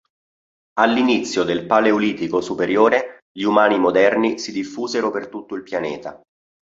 All'inizio del Paleolitico superiore gli umani moderni si diffusero per tutto il pianeta.